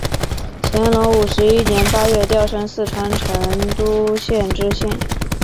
乾隆五十一年八月调升四川成都县知县。